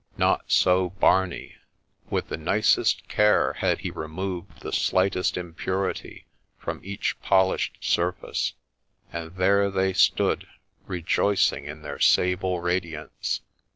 Not so Barney : with the nicest care had he removed the slightest impurity from each polished surface, and there they stood, rejoicing in their sable radiance.